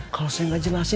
kalau saya gak jelasin